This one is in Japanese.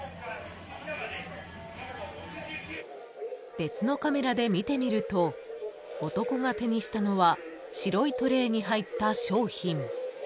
［別のカメラで見てみると男が手にしたのは白いトレーに入った商品］